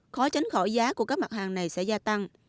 khó tránh khỏi giá của các mặt hàng này sẽ gia tăng